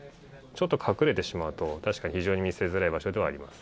ちょっと隠れてしまうと、確かに非常に見つけづらい場所ではあります。